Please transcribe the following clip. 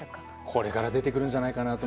これから出てくるんじゃないかなと。